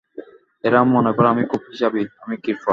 এরা মনে করে আমি খুব হিসাবি, আমি কৃপণ।